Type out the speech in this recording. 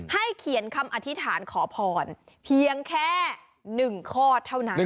เขียนคำอธิษฐานขอพรเพียงแค่๑ข้อเท่านั้น